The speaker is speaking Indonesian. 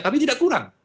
tapi tidak kurang